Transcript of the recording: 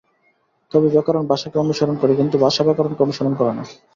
তবে ব্যাকরণ ভাষাকে অনুসরণ করে কিন্তু ভাষা ব্যাকরণকে অনুসরণ করে না।